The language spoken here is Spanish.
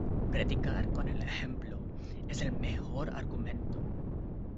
Predicar con el ejemplo, es el mejor argumento.